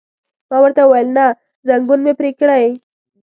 ما ورته وویل: نه، ځنګون مې پرې کړئ.